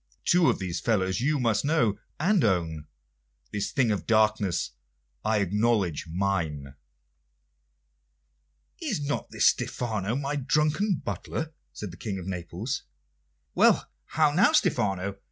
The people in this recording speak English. Two of these fellows you must know and own; this thing of darkness I acknowledge mine." "Is not this Stephano, my drunken butler?" said the King of Naples. "Why, how now, Stephano?"